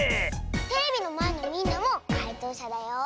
テレビのまえのみんなもかいとうしゃだよ。